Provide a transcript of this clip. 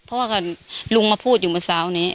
เพราะว่าลุงมาพูดอยู่เมื่อเช้านี้